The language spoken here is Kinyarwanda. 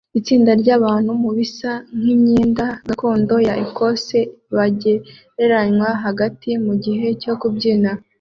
Itsinda ryabantu mubisa nkimyenda gakondo ya Ecosse bagereranywa hagati mugihe cyo kubyina